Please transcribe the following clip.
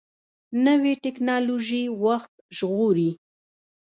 نوې ټکنالوژي وخت ژغوري